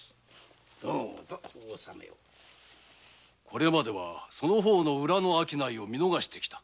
これまではそちの裏の商いを見逃がしてきた。